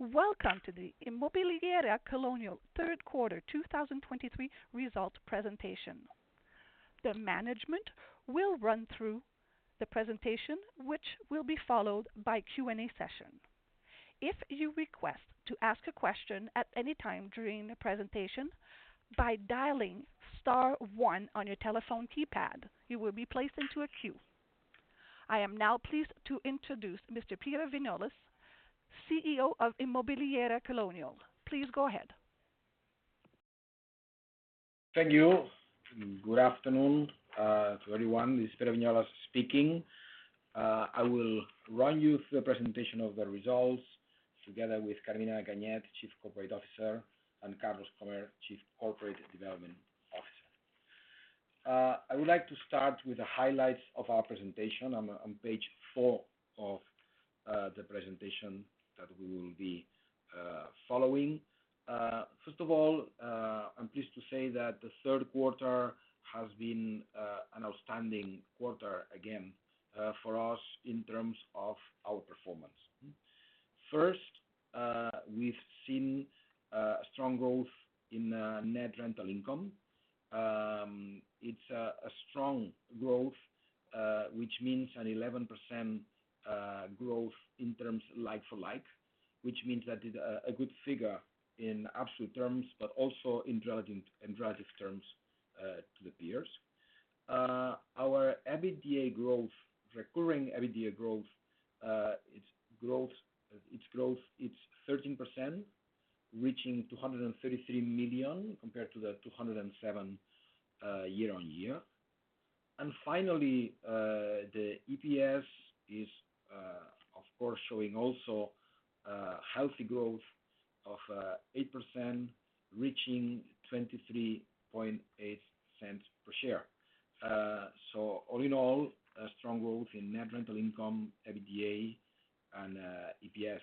Welcome to the Inmobiliaria Colonial third quarter 2023 results presentation. The management will run through the presentation, which will be followed by Q&A session. If you request to ask a question at any time during the presentation, by dialing star one on your telephone keypad, you will be placed into a queue. I am now pleased to introduce Mr. Pere Viñolas, CEO of Inmobiliaria Colonial. Please go ahead. Thank you. Good afternoon to everyone. This is Pere Viñolas speaking. I will run you through the presentation of the results, together with Carmina Ganyet, Chief Corporate Officer, and Carlos Krohmer, Chief Corporate Development Officer. I would like to start with the highlights of our presentation on page 4 of the presentation that we will be following. First of all, I'm pleased to say that the third quarter has been an outstanding quarter again for us in terms of our performance. First, we've seen a strong growth in net rental income. It's a strong growth, which means an 11% growth in terms like-for-like, which means that it's a good figure in absolute terms, but also in relative terms to the peers. Our EBITDA growth, recurring EBITDA growth, its growth, its growth, it's 13%, reaching 233 million, compared to 207 million year-on-year. Finally, the EPS is, of course, showing also healthy growth of 8%, reaching 0.238 per share. So all in all, a strong growth in net rental income, EBITDA and EPS.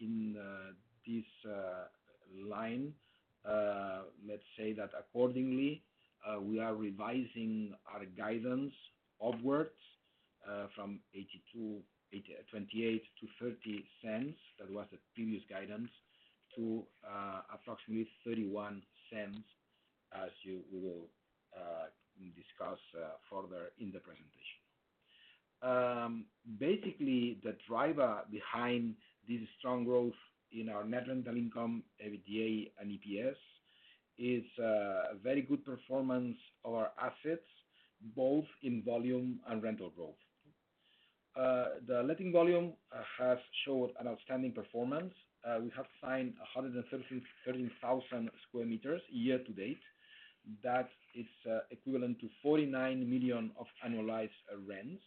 In this line, let's say that accordingly, we are revising our guidance upwards, from 0.28-0.30. That was the previous guidance. To approximately 0.31, as we will discuss further in the presentation. Basically, the driver behind this strong growth in our net rental income, EBITDA and EPS, is a very good performance of our assets, both in volume and rental growth. The letting volume has showed an outstanding performance. We have signed 133,000 square meters year to date. That is equivalent to 49 million of annualized rents.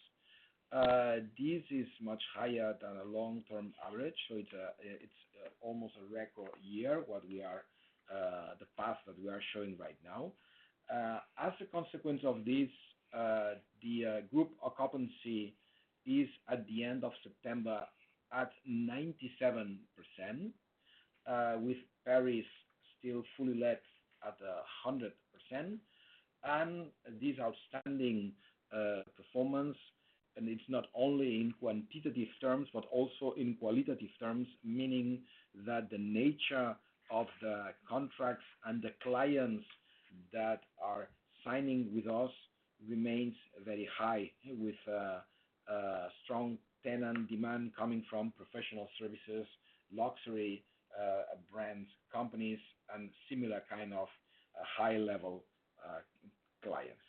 This is much higher than a long-term average, so it's almost a record year, what we are the path that we are showing right now. As a consequence of this, the group occupancy is at the end of September, at 97%, with Paris still fully let at 100%. And this outstanding performance, and it's not only in quantitative terms, but also in qualitative terms, meaning that the nature of the contracts and the clients that are signing with us remains very high, with a strong tenant demand coming from professional services, luxury brands, companies, and similar kind of high-level clients.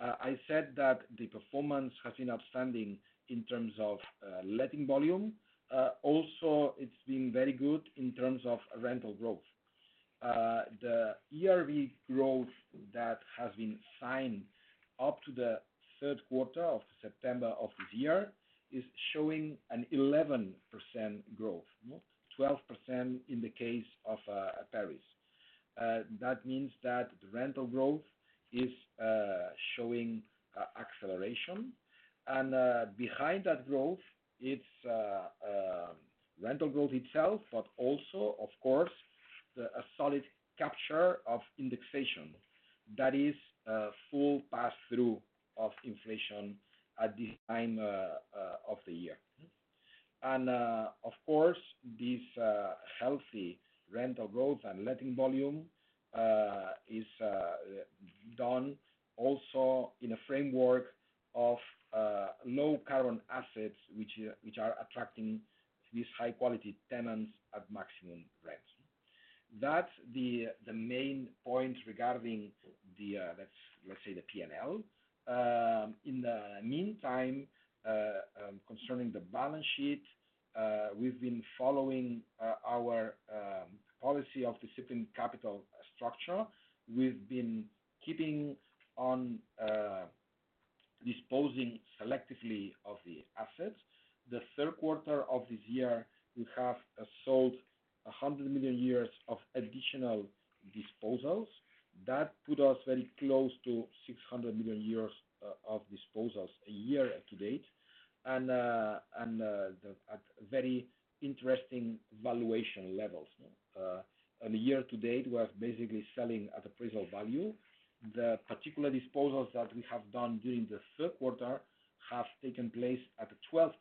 I said that the performance has been outstanding in terms of letting volume. Also, it's been very good in terms of rental growth. The ERV growth that has been signed up to the third quarter of September of this year is showing an 11% growth, no? 12% in the case of Paris. That means that the rental growth is showing acceleration. And behind that growth, it's rental growth itself, but also, of course, the a solid capture of indexation. That is, a full pass-through of inflation at this time of the year. And, of course, this healthy rental growth and letting volume is done also in a framework of low carbon assets, which are attracting these high-quality tenants at maximum rents. That's the main points regarding the, let's say the PNL. In the meantime, concerning the balance sheet, we've been following our policy of disciplined capital structure. We've been keeping on disposing selectively of the assets. The third quarter of this year, we have sold 100 million of additional disposals. That put us very close to 600 million of disposals a year to date, and at very interesting valuation levels. And year to date, we are basically selling at appraisal value. The particular disposals that we have done during the third quarter have taken place at a 12%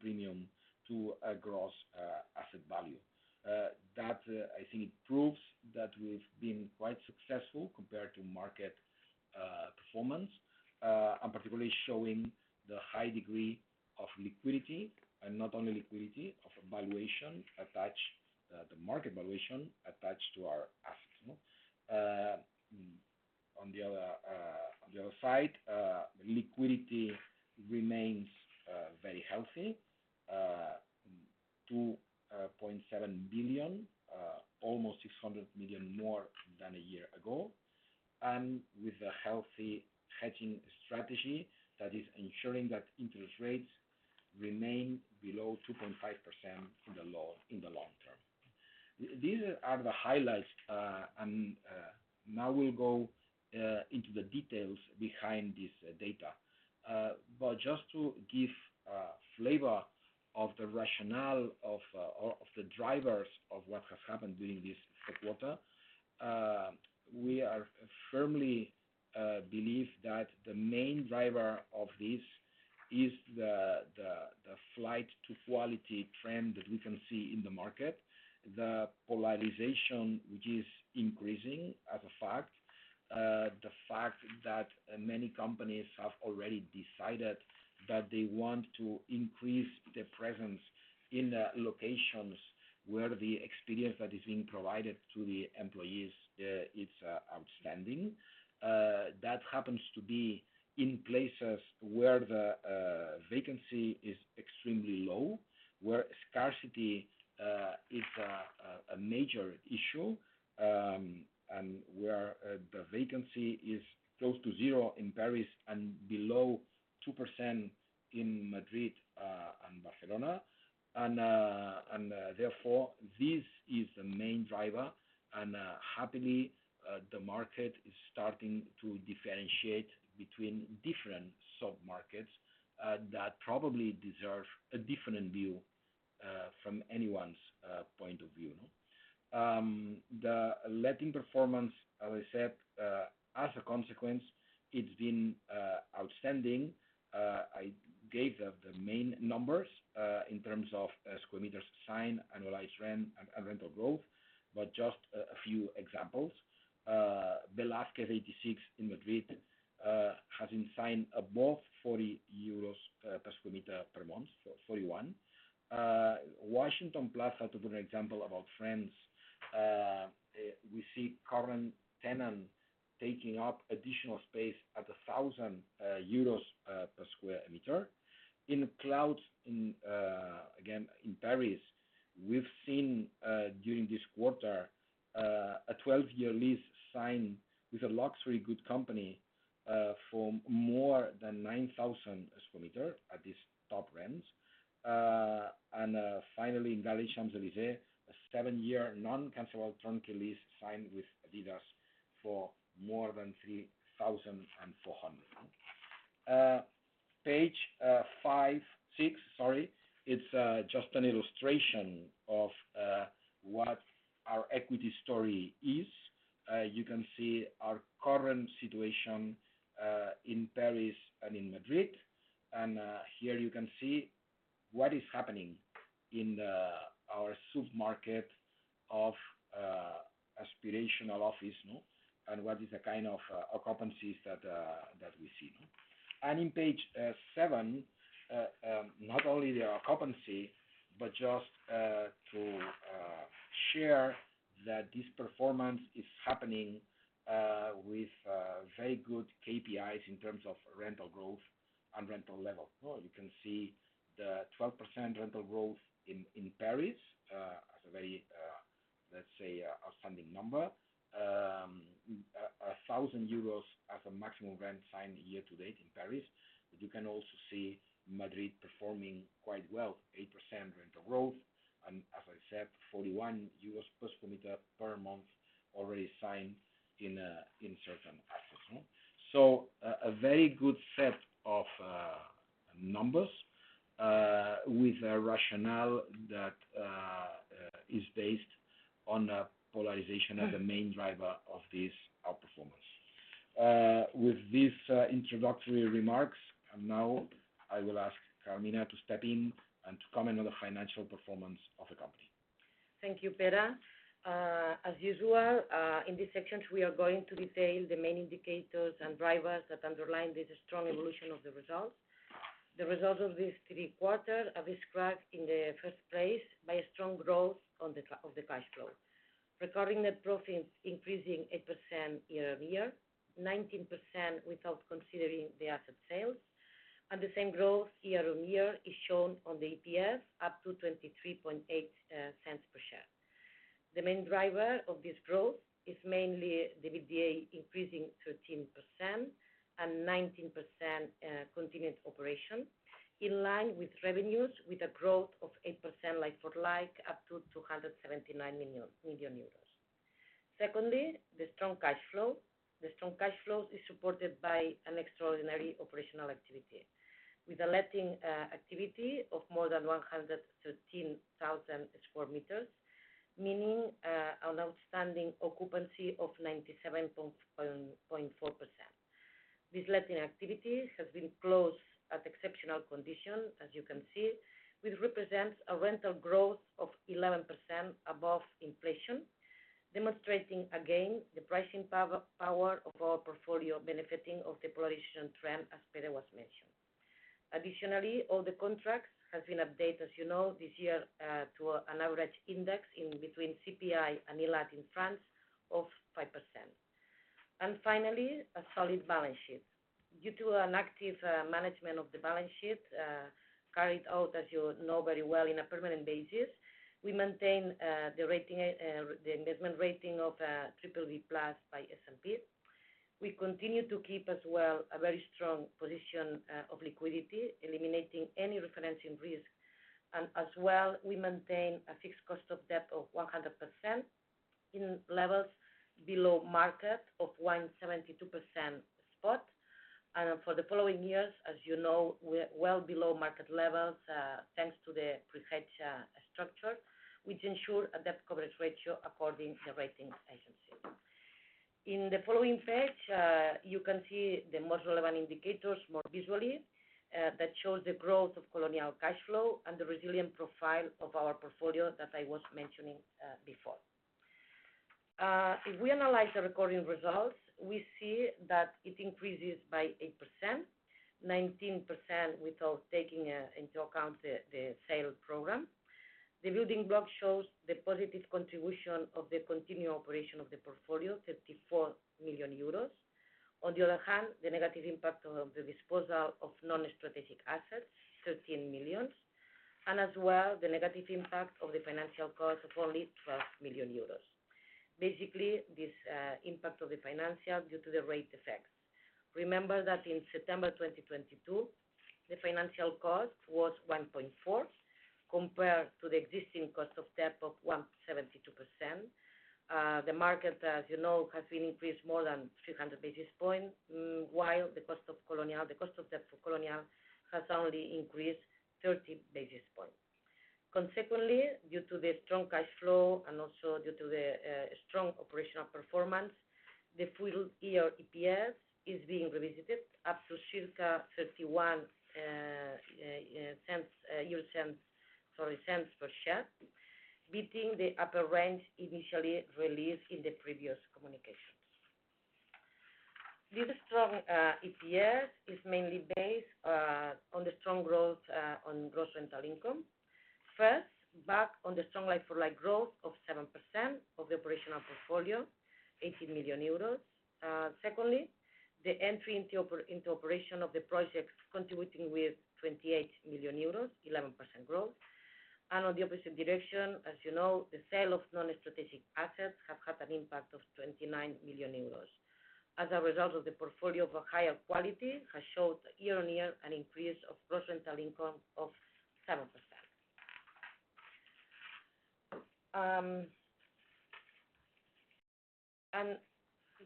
premium to a gross asset value. That, I think proves that we've been quite successful compared to market performance. And particularly showing the high degree of liquidity, and not only liquidity, of valuation attached, the market valuation attached to our assets, no? On the other side, liquidity remains very healthy. 2.7 billion, almost 600 million more than a year ago, and with a healthy hedging strategy that is ensuring that interest rates remain below 2.5% in the long term. These are the highlights. And now we'll go into the details behind this data. But just to give flavor of the rationale of the drivers of what has happened during this third quarter, we firmly believe that the main driver of this is the flight to quality trend that we can see in the market. The polarization, which is increasing as a fact. The fact that many companies have already decided that they want to increase their presence in the locations where the experience that is being provided to the employees is outstanding. That happens to be in places where the vacancy is extremely low, where scarcity is a major issue, and where the vacancy is close to zero in Paris and below 2% in Madrid and Barcelona. And therefore, this is the main driver. Happily, the market is starting to differentiate between different submarkets that probably deserve a different view from anyone's point of view, no? The letting performance, as I said, as a consequence, it's been outstanding. I gave the main numbers in terms of square meters signed, annualized rent, and rental growth. But just a few examples. Velázquez 86 in Madrid has been signed above 40 euros per square meter per month, so 41. Washington Plaza, to give an example of our friends, we see current tenant taking up additional space at 1,000 euros per square meter. In Cloud again, in Paris, we've seen during this quarter a 12-year lease signed with a luxury goods company for more than 9,000 square meters at this top rent. And finally, in Galeries Champs-Élysées, a 7-year non-cancelable turnkey lease signed with Adidas for more than 3,400. Page 5, 6, sorry, it's just an illustration of what our equity story is. You can see our current situation in Paris and in Madrid. And here you can see what is happening in our supermarket of aspirational office, no? And what is the kind of occupancies that we see. And in page 7, not only the occupancy, but just to share that this performance is happening with very good KPIs in terms of rental growth and rental level. You can see the 12% rental growth in Paris as a very, let's say, outstanding number. 1,000 euros as a maximum rent signed year to date in Paris. But you can also see Madrid performing quite well, 8% rental growth, and as I said, 41 per square meter per month already signed in certain assets, no? So, a very good set of numbers with a rationale that is based on a polarization as the main driver of this outperformance. With these introductory remarks, and now I will ask Carmina to step in and to comment on the financial performance of the company. Thank you, Pere. As usual, in these sections, we are going to detail the main indicators and drivers that underlie this strong evolution of the results. The results of these three quarters are described in the first place by a strong growth of the cash flow. Recording net profits increasing 8% year-over-year, 19% without considering the asset sales. And the same growth year-over-year is shown on the EPS, up to 0.238 per share. The main driver of this growth is mainly the EBITDA, increasing 13% and 19%, continued operation, in line with revenues, with a growth of 8% like-for-like, up to 279 million euros. Secondly, the strong cash flow. The strong cash flows is supported by an extraordinary operational activity, with a letting activity of more than 113,000 square meters. Meaning an outstanding occupancy of 97.4%. This letting activity has been close at exceptional conditions, as you can see, which represents a rental growth of 11% above inflation. Demonstrating again, the pricing power of our portfolio benefiting of the polarization trend as Pere was mentioning. Additionally, all the contracts has been updated, as you know, this year to an average index in between CPI and ILAT in France of 5%. And finally, a solid balance sheet. Due to an active management of the balance sheet carried out, as you know very well, in a permanent basis, we maintain the rating, the investment rating of BBB+ by S&P. We continue to keep as well, a very strong position, of liquidity, eliminating any refinancing risk. And as well, we maintain a fixed cost of debt of 100% in levels below market of 1.72% spot. And for the following years, as you know, we're well below market levels, thanks to the pre-hedged, structure, which ensure a debt coverage ratio according to the ratings agencies. In the following page, you can see the most relevant indicators more visually, that shows the growth of Colonial cash flow and the resilient profile of our portfolio that I was mentioning, before. If we analyze the recording results, we see that it increases by 8%, 19% without taking, into account the sale program. The building block shows the positive contribution of the continued operation of the portfolio, 54 million euros. On the other hand, the negative impact of the disposal of non-strategic assets, 13 million, and as well, the negative impact of the financial cost of only 12 million euros. Basically, this impact of the financial due to the rate effects. Remember that in September 2022, the financial cost was 1.4%, compared to the existing cost of debt of 1.72%. The market, as you know, has been increased more than 300 basis points, while the cost of Colonial, the cost of debt for Colonial has only increased 30 basis points. Consequently, due to the strong cash flow and also due to the strong operational performance, the full year EPS is being revisited up to circa 0.31 per share, beating the upper range initially released in the previous communications. This strong EPS is mainly based on the strong growth on gross rental income. First, back on the strong like-for-like growth of 7% of the operational portfolio, 18 million euros. Secondly, the entry into operation of the project, contributing with 28 million euros, 11% growth. And on the opposite direction, as you know, the sale of non-strategic assets have had an impact of 29 million euros. As a result of the portfolio of a higher quality, has showed year-on-year an increase of gross rental income of 7%. And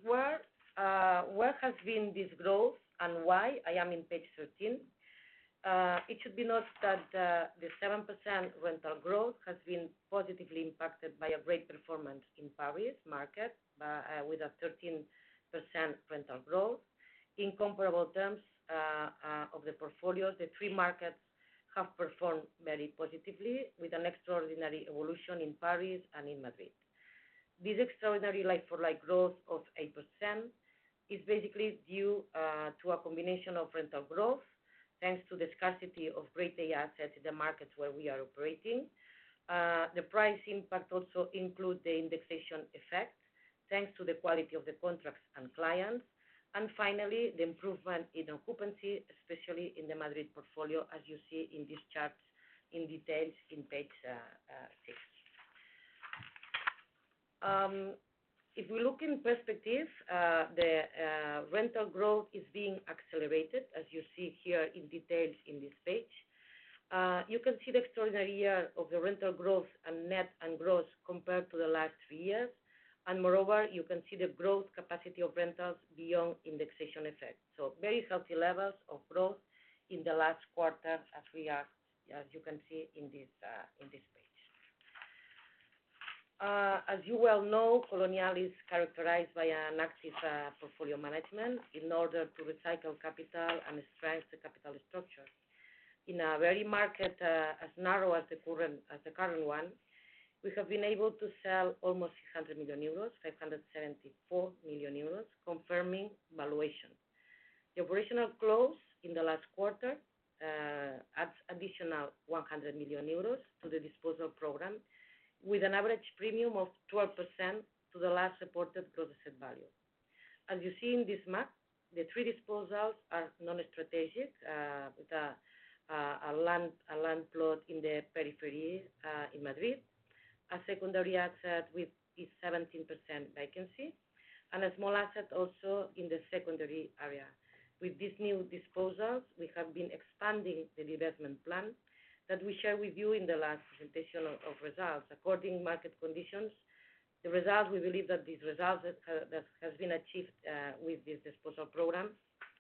where has been this growth and why? I am in page 13. It should be noted that the 7% rental growth has been positively impacted by a great performance in Paris market with a 13% rental growth. In comparable terms, of the portfolio, the three markets have performed very positively, with an extraordinary evolution in Paris and in Madrid. This extraordinary like-for-like growth of 8% is basically due to a combination of rental growth, thanks to the scarcity of Grade A assets in the markets where we are operating. The price impact also includes the indexation effect, thanks to the quality of the contracts and clients. And finally, the improvement in occupancy, especially in the Madrid portfolio, as you see in this chart in details in page 6. If we look in perspective, the rental growth is being accelerated, as you see here in details in this page. You can see the extraordinary year of the rental growth and net and gross compared to the last three years. Moreover, you can see the growth capacity of rentals beyond indexation effect. Very healthy levels of growth in the last quarter, as we are, as you can see in this page. As you well know, Colonial is characterized by an active portfolio management in order to recycle capital and strengthen the capital structure. In a very narrow market, as narrow as the current one, we have been able to sell almost 600 million euros, 574 million euros, confirming valuation. The operational close in the last quarter adds additional 100 million euros to the disposal program, with an average premium of 12% to the last supported gross asset value. As you see in this map, the three disposals are non-strategic, with a land plot in the periphery in Madrid, a secondary asset with a 17% vacancy, and a small asset also in the secondary area. With these new disposals, we have been expanding the divestment plan that we shared with you in the last presentation of results. According to market conditions. The results, we believe that these results that has been achieved with this disposal program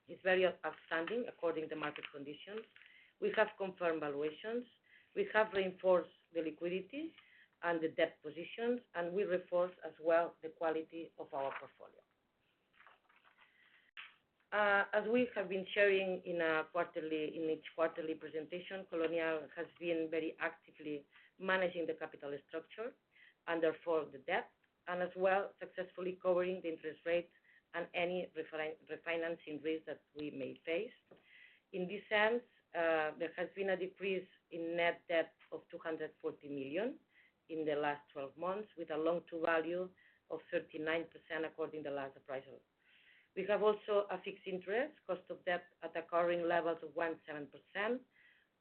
is very outstanding according to market conditions. We have confirmed valuations, we have reinforced the liquidity and the debt positions, and we reinforce as well the quality of our portfolio. As we have been sharing in quarterly, in each quarterly presentation, Colonial has been very actively managing the capital structure and therefore the debt, and as well, successfully covering the interest rate and any refinancing risk that we may face. In this sense, there has been a decrease in net debt of 240 million in the last 12 months, with a loan-to-value of 39%, according to the last appraisal. We have also a fixed interest cost of debt at occurring levels of 1.7%.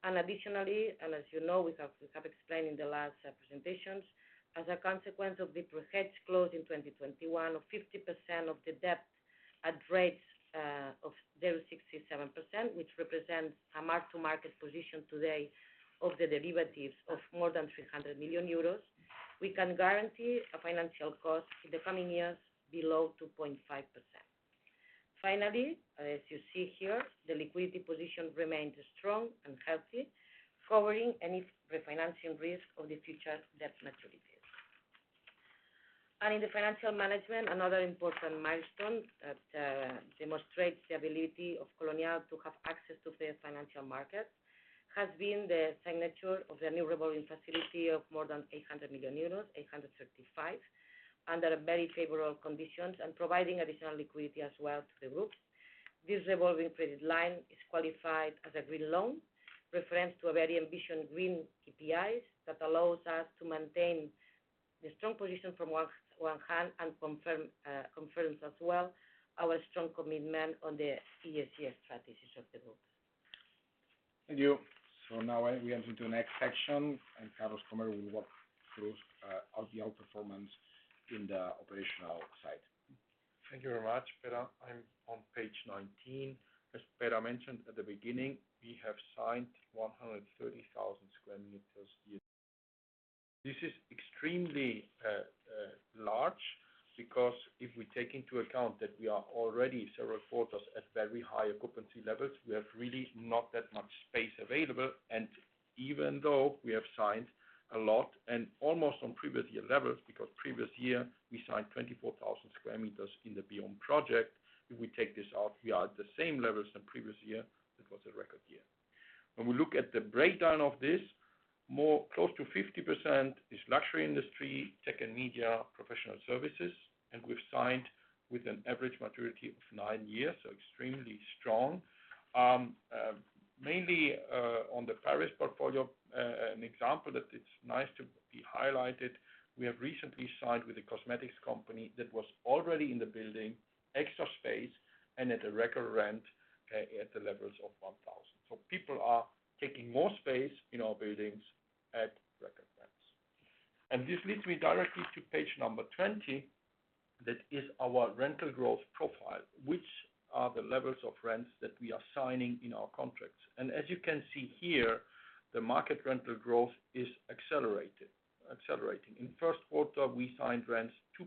And additionally, and as you know, we have, we have explained in the last presentations, as a consequence of the hedge closed in 2021 of 50% of the debt at rates of 0.67%, which represents a mark-to-market position today of the derivatives of more than 300 million euros. We can guarantee a financial cost in the coming years below 2.5%. Finally, as you see here, the liquidity position remains strong and healthy, covering any refinancing risk of the future debt maturities. In the financial management, another important milestone that demonstrates the ability of Colonial to have access to the financial market has been the signature of the new revolving facility of more than 800 million euros, 835 million, under very favorable conditions and providing additional liquidity as well to the group. This revolving credit line is qualified as a green loan, reference to a very ambitious green KPIs that allows us to maintain the strong position from one hand and confirms as well our strong commitment on the ESG strategies of the group. Thank you. Now we enter into the next section, and Carlos Krohmer will walk through our year performance in the operational side. Thank you very much, Pere. I'm on page 19. As Pere mentioned at the beginning, we have signed 130,000 square meters year. This is extremely large, because if we take into account that we are already several quarters at very high occupancy levels, we have really not that much space available. And even though we have signed a lot and almost on previous year levels, because previous year we signed 24,000 square meters in the Beyond project, if we take this out, we are at the same levels as the previous year. That was a record year. When we look at the breakdown of this, more, close to 50% is luxury industry, tech and media, professional services, and we've signed with an average maturity of nine years, so extremely strong. Mainly, on the Paris portfolio, an example that it's nice to be highlighted, we have recently signed with a cosmetics company that was already in the building, extra space, and at a record rent, at the levels of 1,000. So people are taking more space in our buildings at record rents. And this leads me directly to page number 20, that is our rental growth profile, which are the levels of rents that we are signing in our contracts. And as you can see here, the market rental growth is accelerated, accelerating. In first quarter, we signed rents 2%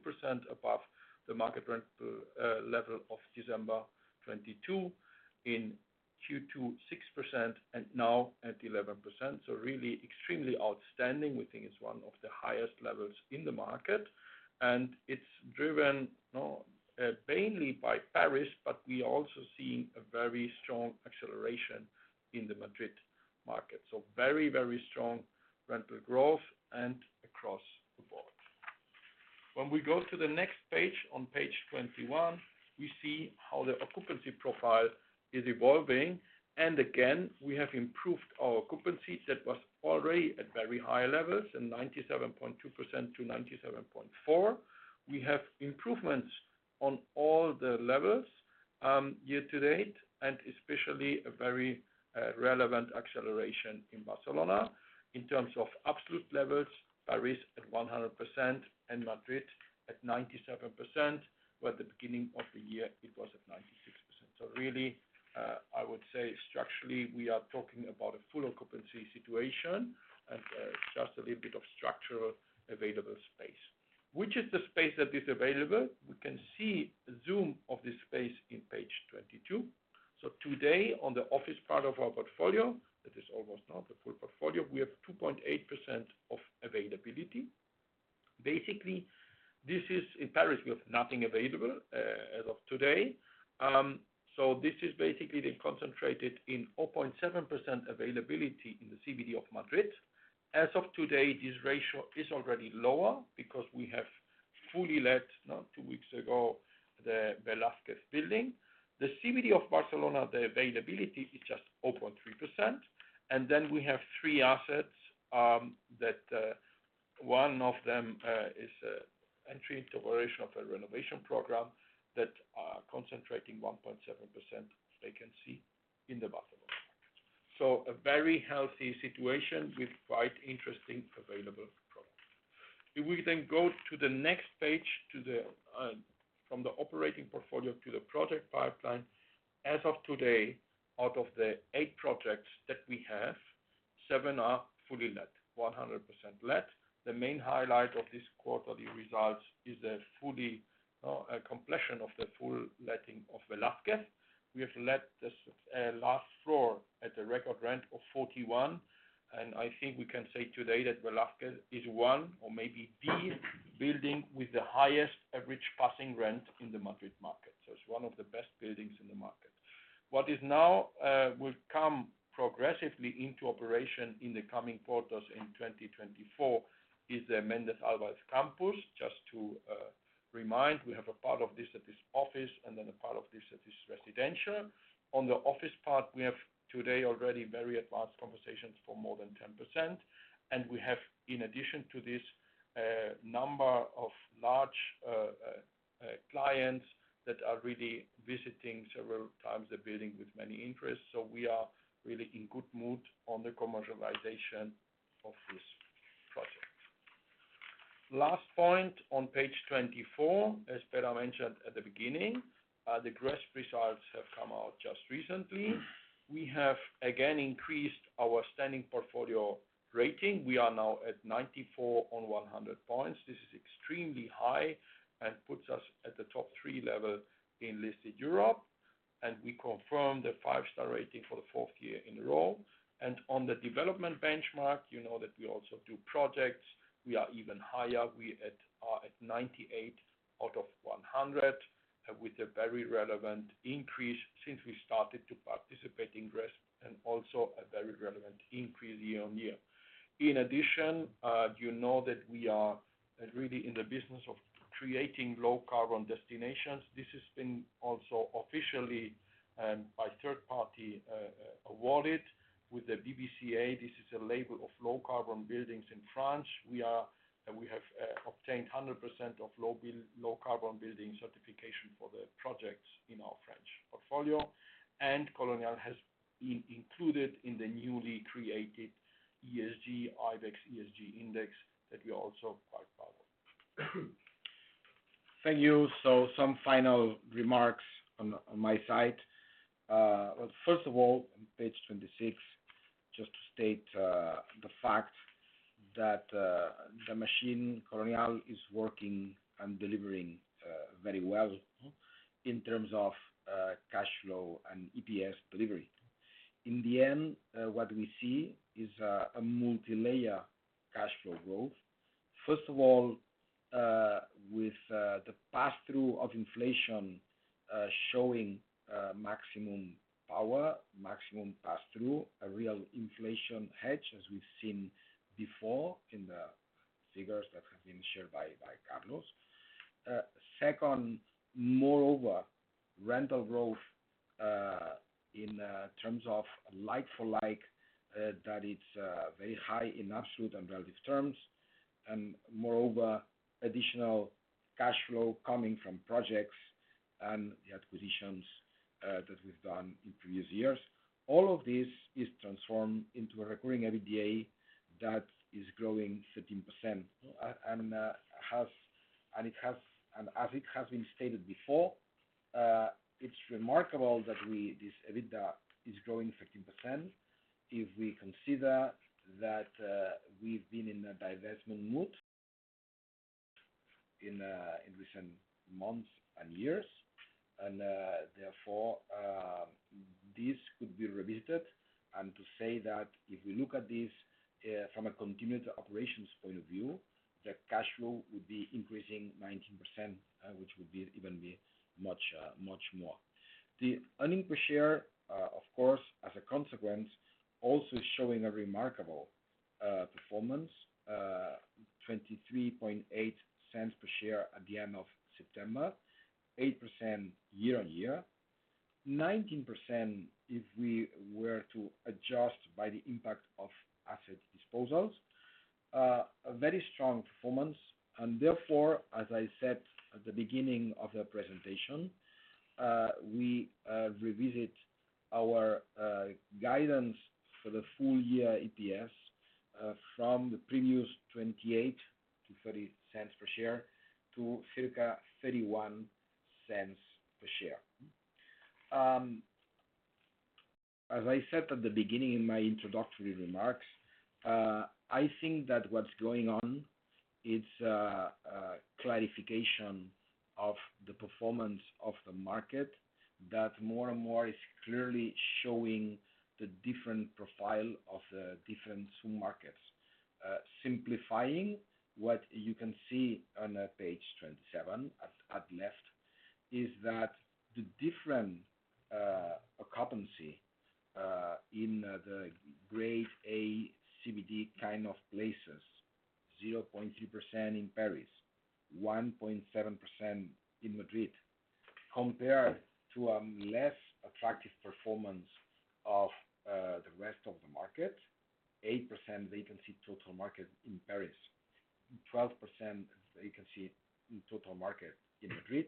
above the market rental level of December 2022, in Q2, 6%, and now at 11%. So really extremely outstanding. We think it's one of the highest levels in the market, and it's driven, not mainly by Paris, but we are also seeing a very strong acceleration in the Madrid market. So very, very strong rental growth and across the board. When we go to the next page, on page 21, we see how the occupancy profile is evolving. And again, we have improved our occupancy. That was already at very high levels, and 97.2% to 97.4%. We have improvements on all the levels, year to date, and especially a very relevant acceleration in Barcelona. In terms of absolute levels, Paris at 100% and Madrid at 97%, where at the beginning of the year it was at 96%. So really, I would say structurally, we are talking about a full occupancy situation and, just a little bit of structural available space. Which is the space that is available? We can see a zoom of this space in page 22. So today, on the office part of our portfolio, that is almost now the full portfolio, we have 2.8% of availability. Basically, this is in Paris, we have nothing available, as of today. So this is basically then concentrated in 4.7% availability in the CBD of Madrid. As of today, this ratio is already lower because we have fully let, now, two weeks ago, the Velázquez building. The CBD of Barcelona, the availability is just 0.3%. And then we have three assets, that one of them is entry into operation of a renovation program that are concentrating 1.7% vacancy in the Barcelona market. So a very healthy situation with quite interesting available products. If we then go to the next page, to the from the operating portfolio to the project pipeline. As of today, out of the eight projects that we have seven are fully let, 100% let. The main highlight of this quarterly results is the fully completion of the full letting of Velázquez. We have let this last floor at the record rent of 41, and I think we can say today that Velázquez is one, or maybe the building with the highest average passing rent in the Madrid market. So it's one of the best buildings in the market. What is now will come progressively into operation in the coming quarters in 2024, is the Méndez Álvaro campus. Just to remind, we have a part of this that is office, and then a part of this that is residential. On the office part, we have today already very advanced conversations for more than 10%, and we have, in addition to this, a number of large clients that are really visiting several times the building with many interests. So we are really in good mood on the commercialization of this project. Last point on page 24, as Pere mentioned at the beginning, the GRESB results have come out just recently. We have again increased our standing portfolio rating. We are now at 94 on 100 points. This is extremely high and puts us at the top 3 level in listed Europe, and we confirm the five-star rating for the fourth year in a row. And on the development benchmark, you know that we also do projects. We are even higher. We at, at 98 out of 100, with a very relevant increase since we started to participate in GRESB and also a very relevant increase year-on-year. In addition, you know that we are really in the business of creating low carbon destinations. This has been also officially, by third party, awarded with the BBCA. This is a label of low carbon buildings in France. We have obtained 100% of low-carbon building certification for the projects in our French portfolio, and Colonial has been included in the newly created IBEX ESG Index, that we are also quite proud of. Thank you. So some final remarks on my side. Well, first of all, on page 26, just to state the fact that Inmobiliaria Colonial is working and delivering very well in terms of cash flow and EPS delivery. In the end, what we see is a multilayer cash flow growth. First of all, with the pass-through of inflation showing maximum power, maximum pass-through, a real inflation hedge, as we've seen before in the figures that have been shared by Carlos. Second, moreover, rental growth in terms of like-for-like that it's very high in absolute and relative terms, and moreover, additional cash flow coming from projects and the acquisitions that we've done in previous years. All of this is transformed into a recurring EBITDA that is growing 13%. As it has been stated before, it's remarkable that we, this EBITDA is growing 13% if we consider that we've been in a divestment mood in recent months and years. Therefore, this could be revisited. To say that if we look at this from a continued operations point of view, the cash flow would be increasing 19%, which would be even be much, much more. The earnings per share, of course, as a consequence, also showing a remarkable performance, 0.238 per share at the end of September, 8% year-on-year. 19% if we were to adjust by the impact of asset disposals. A very strong performance, and therefore, as I said at the beginning of the presentation, we revisit our guidance for the full year EPS, from the previous 0.28-0.30 per share to circa 0.31 per share. As I said at the beginning in my introductory remarks, I think that what's going on is clarification of the performance of the market that more and more is clearly showing the different profile of the different markets. Simplifying what you can see on page 27 at left is that the different occupancy in the Grade A CBD kind of places, 0.2% in Paris, 1.7% in Madrid, compared to a less attractive performance of the rest of the market. 8% vacancy total market in Paris, 12% vacancy in total market in Madrid,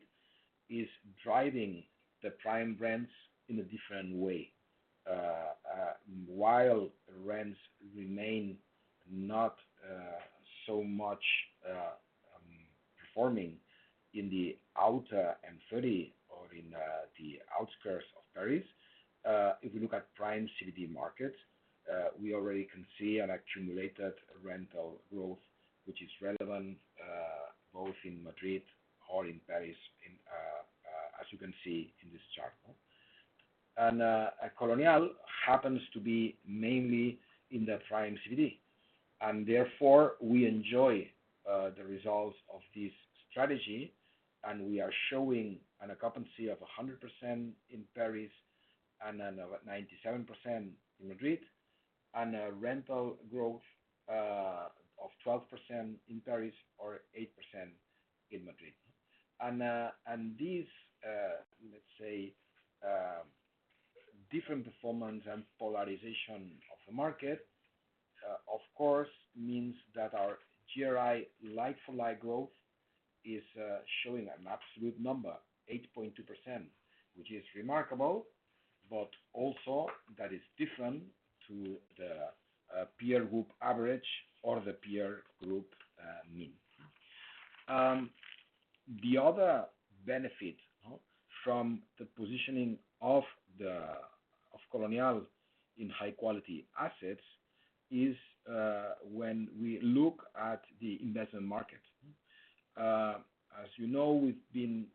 is driving the prime rents in a different way. While rents remain not so much performing in the outer M30 or in the outskirts of Paris. If we look at prime CBD markets, we already can see an accumulated rental growth, which is relevant both in Madrid or in Paris, as you can see in this chart. At Colonial happens to be mainly in the prime CBD, and therefore we enjoy the results of this strategy, and we are showing an occupancy of 100% in Paris and then 97% in Madrid, and a rental growth of 12% in Paris or 8% in Madrid. This, let's say, different performance and polarization of the market, of course, means that our GRI like-for-like growth is showing an absolute number, 8.2%, which is remarkable, but also that is different to the peer group average or the peer group mean. The other benefit from the positioning of Colonial in high quality assets is when we look at the investment market. As you know, we've been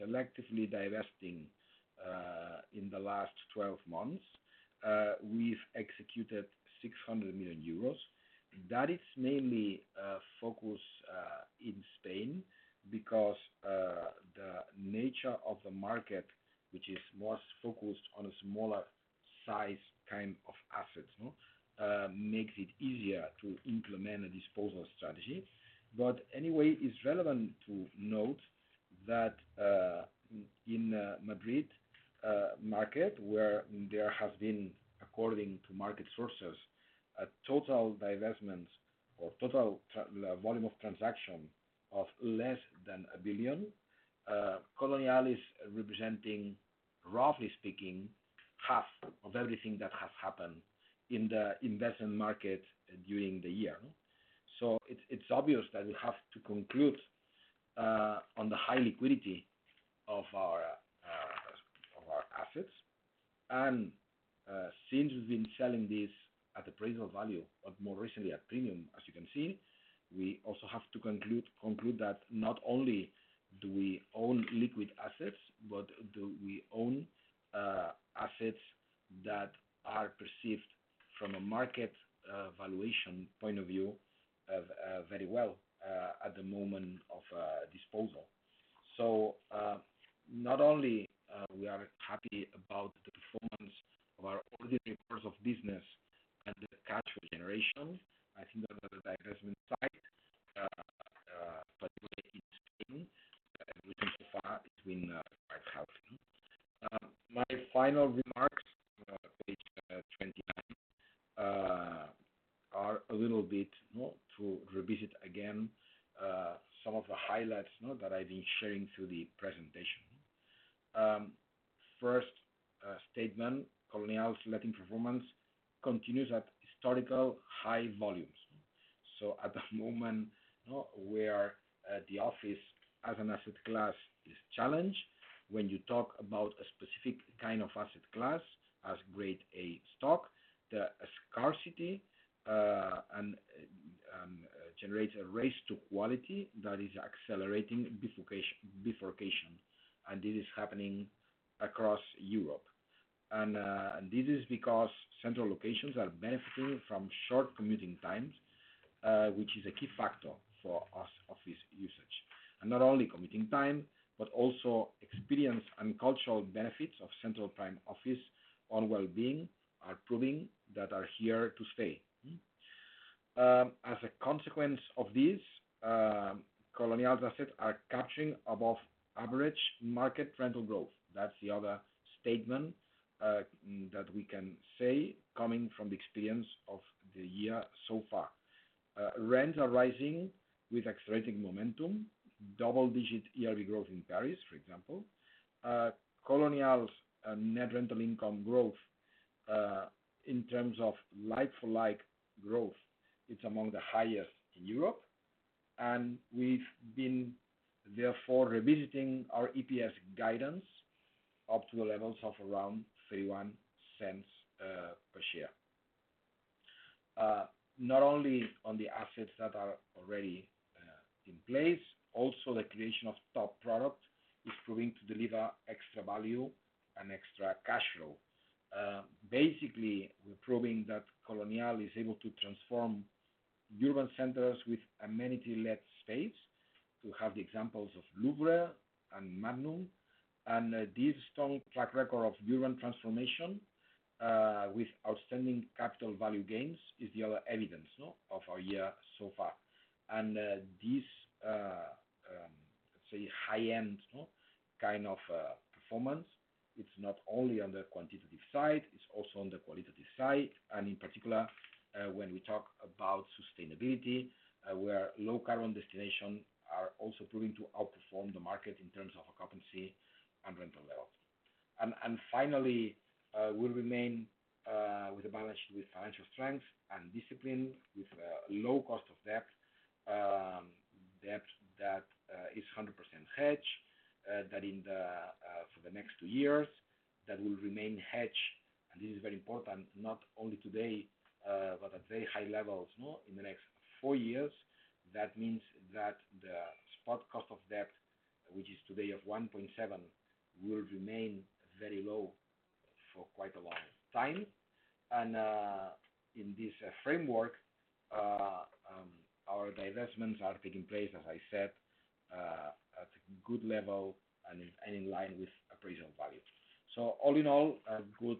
selectively divesting in the last 12 months. We've executed 600 million euros. That is mainly focused in Spain because the nature of the market, which is more focused on a smaller size kind of assets, no? Makes it easier to implement a disposal strategy. But anyway, it's relevant to note that, in Madrid market, where there have been, according to market sources, a total divestments or total volume of transaction of less than 1 billion, Colonial is representing, roughly speaking, half of everything that has happened in the investment market during the year. So it's, it's obvious that we have to conclude, on the high liquidity of our, of our assets. And, since we've been selling this at appraisal value, but more recently at premium, as you can see, we also have to conclude, conclude that not only do we own liquid assets, but do we own, assets that are perceived from a market, valuation point of view, very well, at the moment of, disposal. So, not only, we are happy about the performance of our ordinary course of business and the cash generation, I think on the divestment side, particularly in Spain, we can so far between private housing. My final remarks, page 29, are a little bit to revisit again some of the highlights that I've been sharing through the presentation. First, statement, Colonial's letting performance continues at historical high volumes. So at the moment, where the office as an asset class is challenged, when you talk about a specific kind of asset class as Grade A stock, the scarcity and generates a race to quality that is accelerating bifurcation, bifurcation, and this is happening across Europe. This is because central locations are benefiting from short commuting times, which is a key factor for us, office usage. And not only commuting time, but also experience and cultural benefits of central prime office on well-being are proving that are here to stay. As a consequence of this, Colonial's assets are capturing above average market rental growth. That's the other statement that we can say coming from the experience of the year so far. Rents are rising with accelerating momentum, double-digit yearly growth in Paris, for example. Colonial's net rental income growth, in terms of like-for-like growth, it's among the highest in Europe, and we've been therefore revisiting our EPS guidance up to the levels of around 0.31 per share. Not only on the assets that are already in place, also the creation of top product is proving to deliver extra value and extra cash flow. Basically, we're proving that Colonial is able to transform urban centers with amenity-led space. To have the examples of Louvre and Madnum, and this strong track record of urban transformation with outstanding capital value gains is the other evidence, no? Of our year so far. And this say high end, no, kind of performance, it's not only on the quantitative side, it's also on the qualitative side. And in particular, when we talk about sustainability, where low-carbon destinations are also proving to outperform the market in terms of occupancy and rental level. And finally, we'll remain with a balance sheet with financial strength and discipline, with low cost of debt, debt that is 100% hedged, that in the for the next two years, that will remain hedged. And this is very important, not only today, but at very high levels, no? In the next four years, that means that the spot cost of debt, which is today 1.7%, will remain very low for quite a long time. And in this framework, our divestments are taking place, as I said, at a good level and in line with appraisal value. So all in all, a good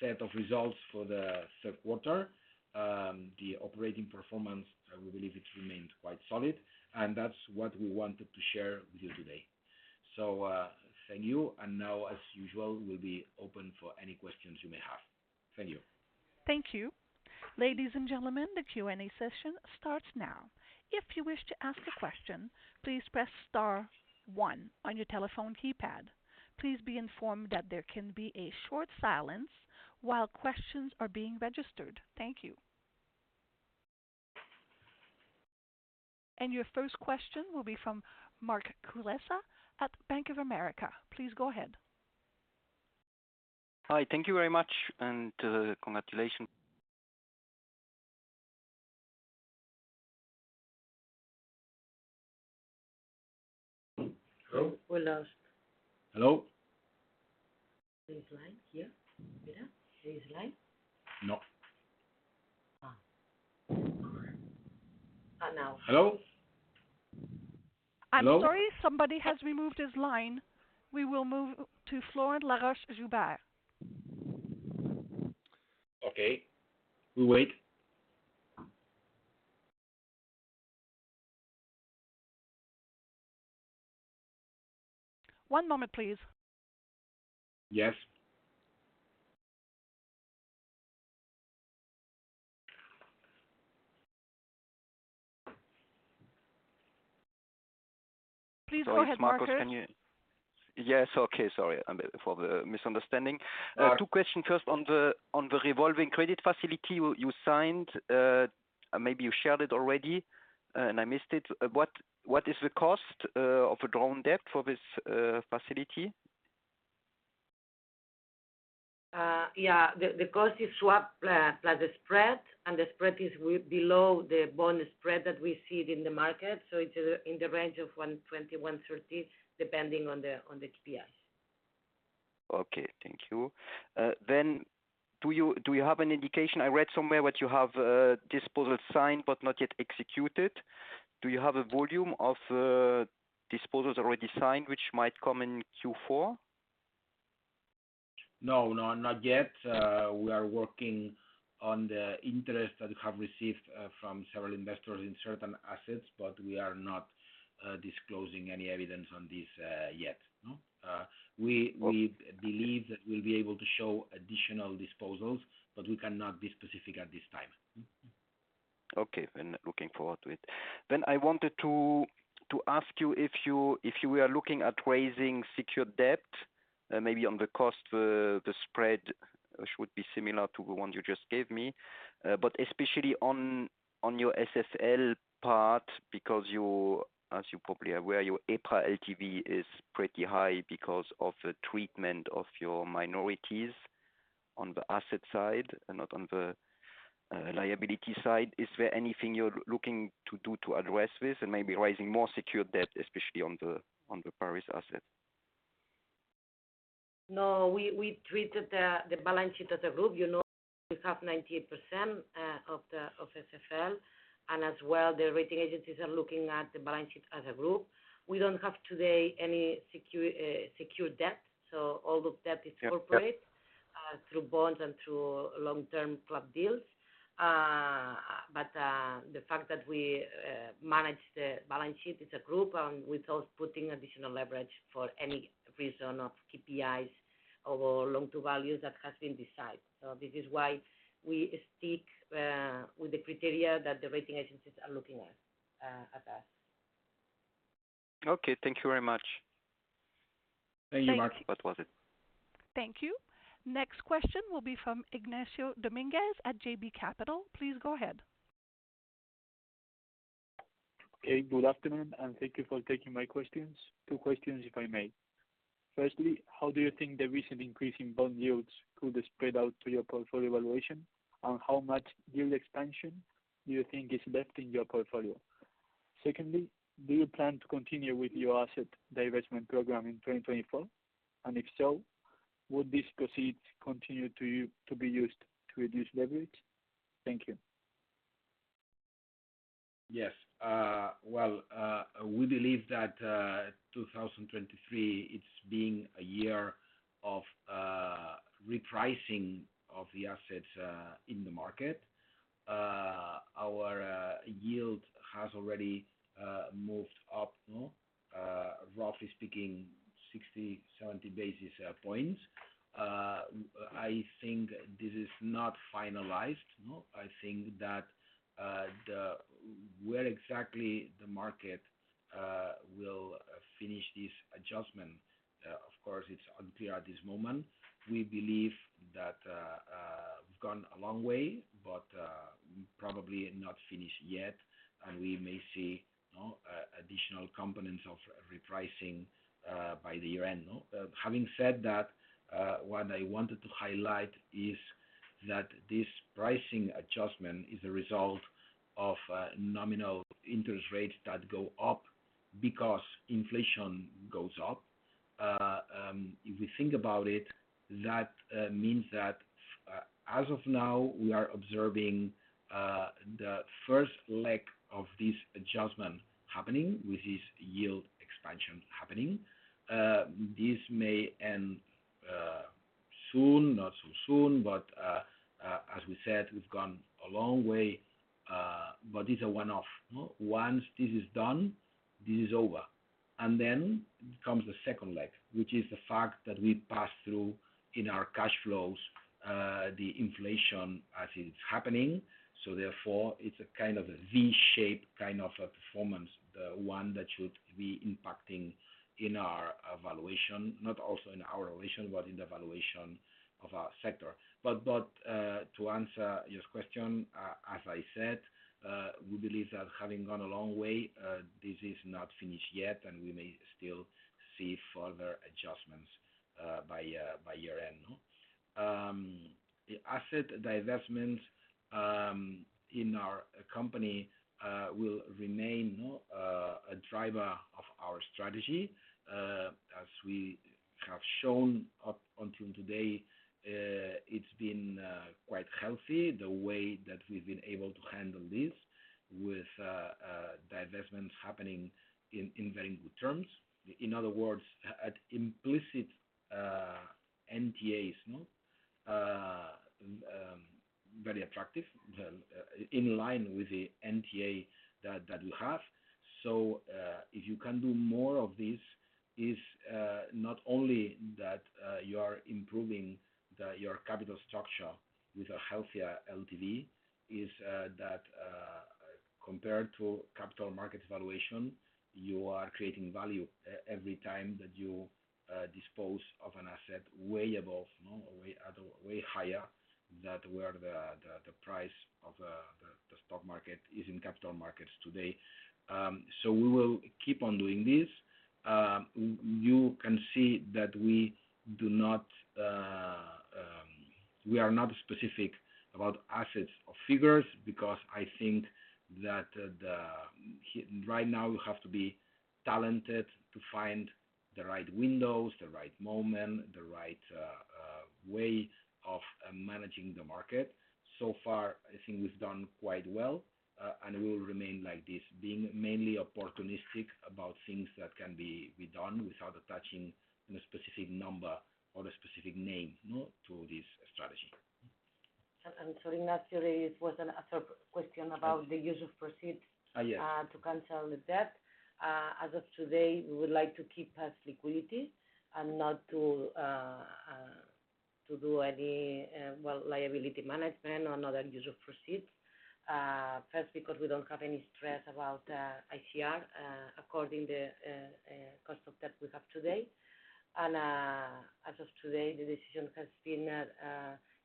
set of results for the third quarter. The operating performance, we believe it remained quite solid, and that's what we wanted to share with you today. Thank you. Now, as usual, we'll be open for any questions you may have. Thank you. Thank you. Ladies and gentlemen, the Q&A session starts now. If you wish to ask a question, please press star one on your telephone keypad. Please be informed that there can be a short silence while questions are being registered. Thank you. Your first question will be from Mark Kulessa at Bank of America. Please go ahead. Hi, thank you very much, and, congratulations. Hello? Hola. Hello? His line, yeah. Mira, his line? No. Ah. And now. Hello? Hello. I'm sorry, somebody has removed his line. We will move to Florent Laroche-Joubert. Okay, we wait. One moment, please. Yes. Please go ahead, Markus. Can you... Yes. Okay, sorry, for the misunderstanding. Two questions. First, on the revolving credit facility you signed, maybe you shared it already, and I missed it. What is the cost of a drawn debt for this facility? Yeah, the cost is swap plus the spread, and the spread is below the bond spread that we see it in the market. So it's in the range of 120-130, depending on the KPIs. Okay, thank you. Then, do you have an indication? I read somewhere that you have disposal signed but not yet executed. Do you have a volume of disposals already signed, which might come in Q4? No, no, not yet. We are working on the interest that we have received from several investors in certain assets, but we are not disclosing any evidence on this yet, no? We believe that we'll be able to show additional disposals, but we cannot be specific at this time. Okay, then looking forward to it. Then I wanted to ask you if you were looking at raising secured debt, maybe on the cost, the spread should be similar to the one you just gave me. But especially on your SFL part, because you, as you're probably aware, your EPRA LTV is pretty high because of the treatment of your minorities on the asset side and not on the liability side. Is there anything you're looking to do to address this and maybe raising more secured debt, especially on the Paris asset? No, we treated the balance sheet as a group. You know, we have 98% of SFL, and as well, the rating agencies are looking at the balance sheet as a group. We don't have today any secured debt, so all the debt is corporate through bonds and through long-term club deals. But the fact that we manage the balance sheet as a group and without putting additional leverage for any reason of KPIs or loan to value, that has been decided. So this is why we stick with the criteria that the rating agencies are looking at, at us. Okay. Thank you very much. Thank you, Mark. That was it. Thank you. Next question will be from Ignacio Dominguez at JB Capital. Please go ahead. Okay. Good afternoon, and thank you for taking my questions. Two questions, if I may. Firstly, how do you think the recent increase in bond yields could spread out to your portfolio valuation, and how much yield expansion do you think is left in your portfolio? Secondly, do you plan to continue with your asset divestment program in 2024? And if so, would these proceeds continue to be used to reduce leverage? Thank you. Yes. Well, we believe that 2023, it's being a year of repricing of the assets in the market. Our yield has already moved up, no? Roughly speaking, 60-70 basis points. I think this is not finalized, no? I think that the, where exactly the market will finish this adjustment, of course, it's unclear at this moment. We believe that we've gone a long way, but probably not finished yet, and we may see, no, additional components of repricing by the year end, no? Having said that, what I wanted to highlight is that this pricing adjustment is a result of nominal interest rates that go up because inflation goes up. If we think about it, that means that as of now, we are observing the first leg of this adjustment happening, with this yield expansion happening. This may end soon, not so soon, but as we said, we've gone a long way, but it's a one-off, no? Once this is done, this is over. And then comes the second leg, which is the fact that we pass through in our cash flows the inflation as it's happening. So therefore, it's a kind of a V-shaped, kind of a performance one that should be impacting in our evaluation, not also in our evaluation, but in the evaluation of our sector. But to answer your question, as I said, we believe that having gone a long way, this is not finished yet, and we may still see further adjustments by year-end. The asset divestment in our company will remain a driver of our strategy, as we have shown up until today. It's been quite healthy the way that we've been able to handle this with divestments happening in very good terms. In other words, at implicit NTAs very attractive, in line with the NTA that we have. So, if you can do more of this, not only that you are improving your capital structure with a healthier LTV, that compared to capital market valuation, you are creating value every time that you dispose of an asset way above, no, a way higher than where the price of the stock market is in capital markets today. So we will keep on doing this. You can see that we do not, we are not specific about assets or figures because I think that right now you have to be talented to find the right windows, the right moment, the right way of managing the market. So far, I think we've done quite well, and it will remain like this, being mainly opportunistic about things that can be done without attaching a specific number or a specific name, no, to this strategy. Sorry, Ignacio, it was another question about the use of proceeds- Ah, yes. To cancel the debt. As of today, we would like to keep that liquidity and not to do any, well, liability management or another use of proceeds. First, because we don't have any stress about ICR, according to the cost of debt we have today. And, as of today, the decision has been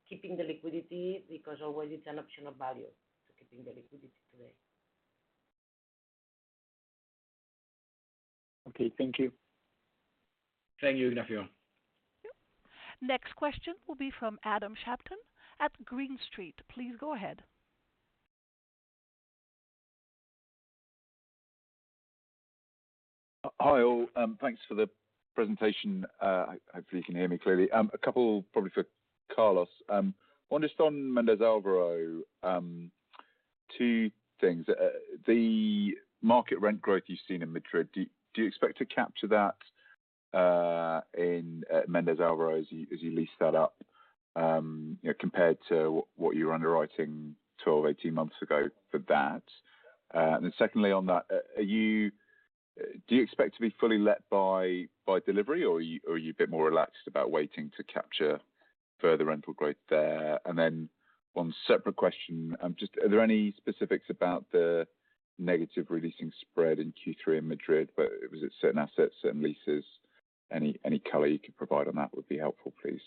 keeping the liquidity, because always it's an optional value to keeping the liquidity today. Okay, thank you. Thank you, Ignacio. Yep. Next question will be from Adam Shapton at Green Street. Please go ahead. Hi all, thanks for the presentation. Hopefully you can hear me clearly. A couple probably for Carlos. I wonder on Méndez Álvaro, two things. The market rent growth you've seen in Madrid, do you expect to capture that in Méndez Álvaro as you lease that up, you know, compared to what you were underwriting 12, 18 months ago for that? And then secondly on that, are you. Do you expect to be fully let by delivery, or are you a bit more relaxed about waiting to capture further rental growth there? And then one separate question, just are there any specifics about the negative releasing spread in Q3 in Madrid, but was it certain assets, certain leases? Any color you could provide on that would be helpful, please.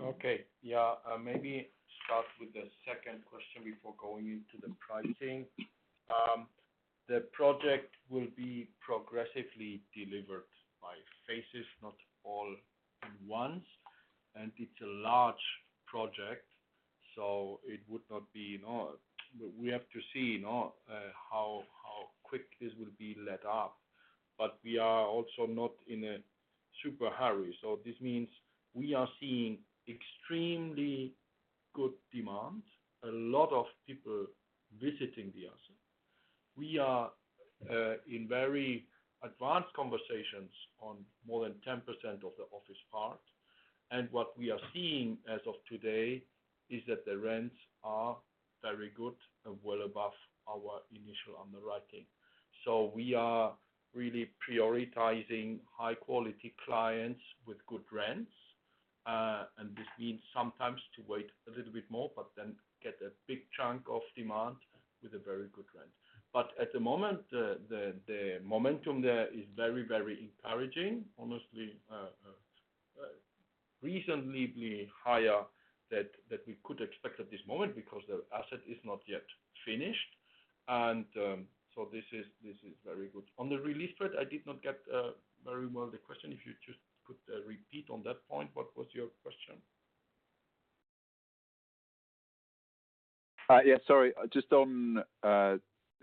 Okay. Yeah, maybe start with the second question before going into the pricing. The project will be progressively delivered by phases, not all at once, and it's a large project, so it would not be. We have to see how quick this will be let up. But we are also not in a super hurry, so this means we are seeing extremely good demand. A lot of people visiting the asset. We are in very advanced conversations on more than 10% of the office part, and what we are seeing as of today is that the rents are very good and well above our initial underwriting. So we are really prioritizing high quality clients with good rents. And this means sometimes to wait a little bit more but then get a big chunk of demand with a very good rent. But at the moment, the momentum there is very, very encouraging. Honestly, reasonably higher than we could expect at this moment because the asset is not yet finished. And, so this is very good. On the release rate, I did not get very well the question. If you just could repeat on that point, what was your question? Yeah, sorry. Just on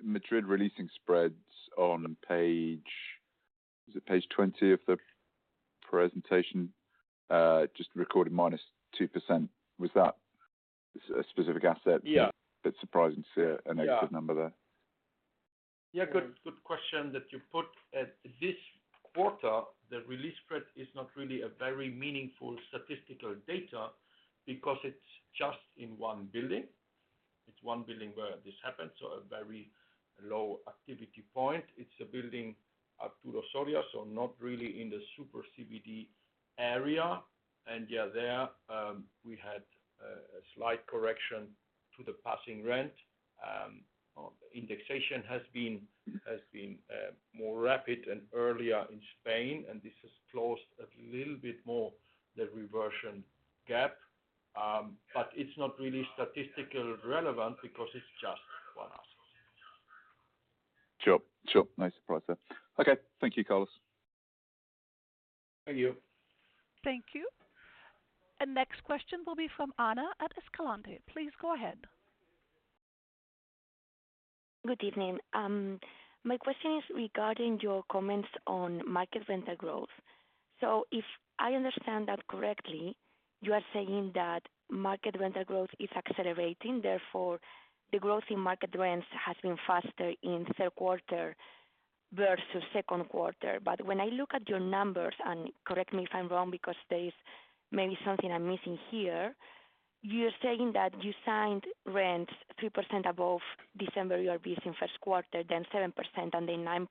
Madrid releasing spreads on page, is it page 20 of the presentation? Just recorded -2%. Was that a specific asset? Yeah. Bit surprising to see a negative number there. Yeah. Good, good question that you put. At this quarter, the release spread is not really a very meaningful statistical data because it's just in one building. It's one building where this happened, so a very low activity point. It's a building Arturo Soria, so not really in the super CBD area. And yeah, there, we had a slight correction to the passing rent. Indexation has been, has been, more rapid and earlier in Spain, and this has closed a little bit more the reversion gap. But it's not really statistically relevant because it's just one asset. Sure. Sure. Nice surprise there. Okay. Thank you, Carlos. Thank you. Thank you. And next question will be from Anna at Escalante. Please go ahead. Good evening. My question is regarding your comments on market rental growth. So if I understand that correctly, you are saying that market rental growth is accelerating, therefore, the growth in market rents has been faster in the third quarter versus second quarter. But when I look at your numbers, and correct me if I'm wrong, because there is maybe something I'm missing here, you're saying that you signed rents 3% above December ERV in first quarter, then 7%, and then 9%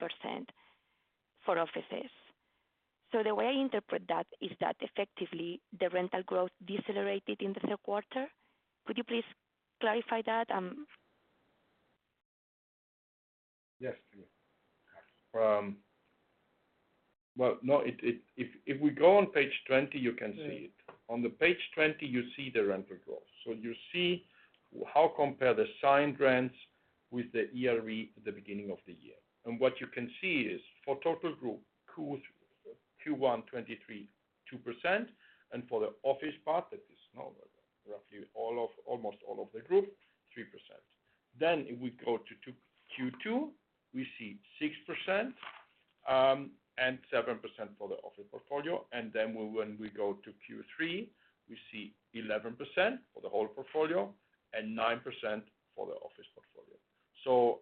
for offices. So the way I interpret that, is that effectively, the rental growth decelerated in the third quarter. Could you please clarify that? Yes. Well, no, If we go on page 20, you can see it. On page 20, you see the rental growth. So you see how compare the signed rents with the ERV at the beginning of the year. And what you can see is for total group, Q1 2023, 2%, and for the office part, that is now roughly all of, almost all of the group, 3%. Then if we go to Q2, we see 6%, and 7% for the office portfolio. And then when we go to Q3, we see 11% for the whole portfolio and 9% for the office portfolio. So,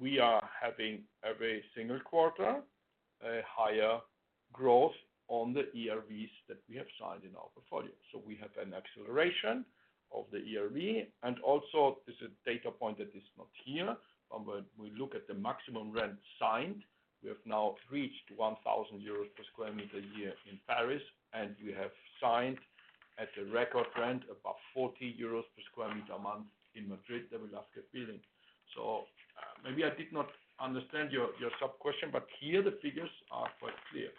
we are having every single quarter, a higher growth on the ERVs that we have signed in our portfolio. So we have an acceleration of the ERV. Also, there's a data point that is not here, but when we look at the maximum rent signed, we have now reached 1,000 euros per sq m a year in Paris, and we have signed at a record rent, about 40 euros per sq m a month in Madrid, the Velázquez building. So, maybe I did not understand your, your sub question, but here the figures are quite clear.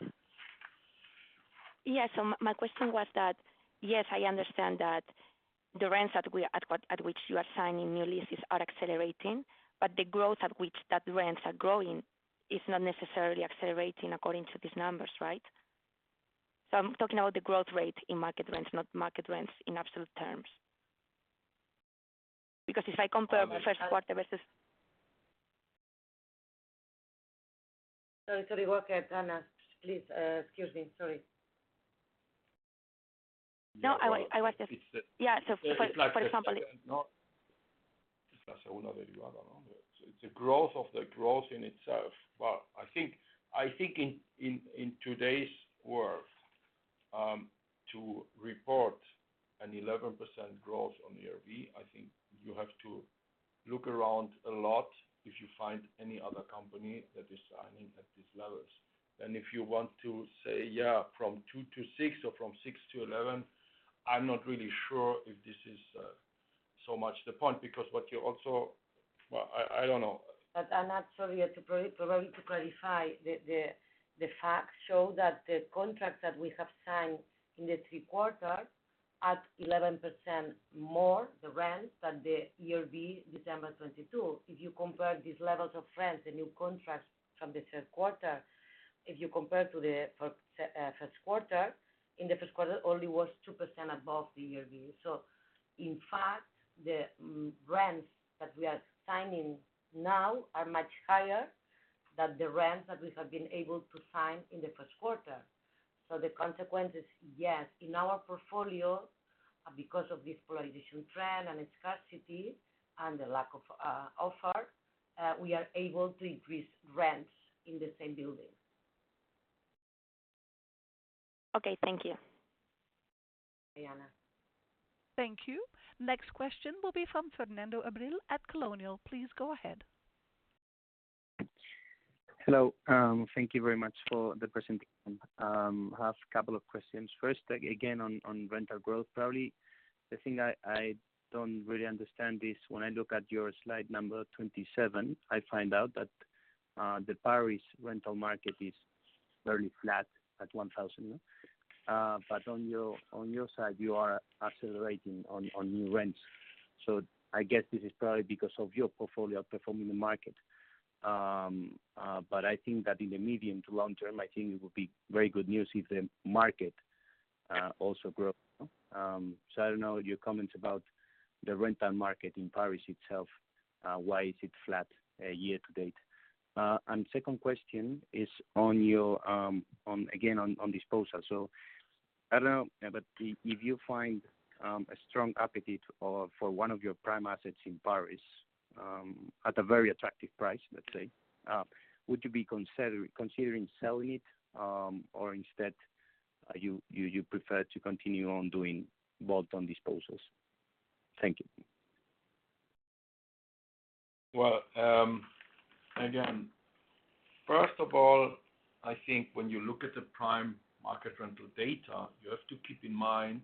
Yes. So my question was that, yes, I understand that the rents at which you are signing new leases are accelerating, but the growth at which that rents are growing is not necessarily accelerating according to these numbers, right? So I'm talking about the growth rate in market rents, not market rents in absolute terms. Because if I compare the first quarter versus- Sorry, sorry. Work at Anna, please, excuse me. Sorry. No, I watch, I watch this. Yeah, so for example- No. So it's the growth of the growth in itself. Well, I think in today's world, to report an 11% growth on ERV, I think you have to look around a lot if you find any other company that is signing at these levels. And if you want to say, yeah, from 2% to 6% or from 6% to 11%, I'm not really sure if this is so much the point, because what you also. Well, I don't know. But Anna, sorry, probably to clarify, the facts show that the contract that we have signed in the third quarter, at 11% more the rents than the ERV, December 2022. If you compare these levels of rents, the new contracts from the third quarter, if you compare to the first quarter, in the first quarter, only was 2% above the ERV. So in fact, the rents that we are signing now are much higher than the rents that we have been able to sign in the first quarter. So the consequence is, yes, in our portfolio, because of this polarization trend and its scarcity and the lack of offer, we are able to increase rents in the same building. Okay. Thank you, Diana. Thank you. Next question will be from Fernando Abril at Colonial. Please go ahead. Hello. Thank you very much for the presentation. I have a couple of questions. First, again, on rental growth. Probably the thing I don't really understand is when I look at your slide number 27, I find out that the Paris rental market is very flat at 1,000. But on your side, you are accelerating on new rents. So I guess this is probably because of your portfolio outperforming the market. But I think that in the medium to long term, I think it would be very good news if the market also grew. So I don't know your comments about the rental market in Paris itself. Why is it flat year to date? And second question is on your, again, on disposal. So I don't know, but if you find a strong appetite or for one of your prime assets in Paris, at a very attractive price, let's say, would you be considering selling it? Or instead, you prefer to continue on doing bolt-on disposals. Thank you. Well, again, first of all, I think when you look at the prime market rental data, you have to keep in mind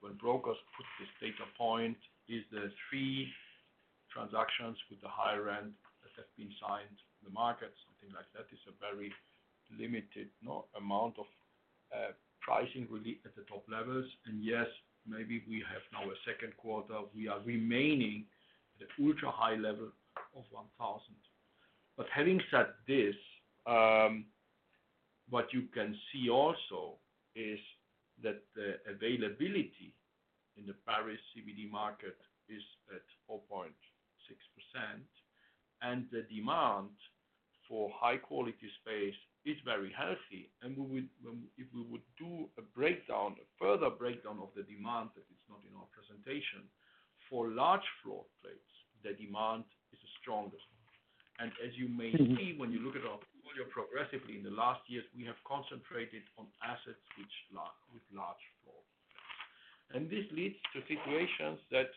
when brokers put this data point, is there three transactions with the higher rent that have been signed in the market? Something like that is a very limited, no amount of, pricing really at the top levels. And yes, maybe we have now a second quarter. We are remaining at the ultra-high level of 1,000. But having said this, what you can see also is that the availability in the Paris CBD market is at 4.6%, and the demand for high-quality space is very healthy. When, if we would do a breakdown, a further breakdown of the demand, that it's not in our presentation, for large floor plates, the demand is the strongest. As you may see, when you look at our portfolio progressively in the last years, we have concentrated on assets which large, with large floor. And this leads to situations that,